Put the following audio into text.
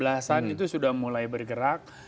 dua ribu dua belas an itu sudah mulai bergerak